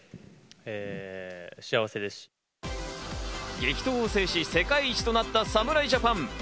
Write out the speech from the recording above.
激闘を制し世界一となった侍ジャパン。